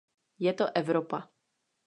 Je to Evropa.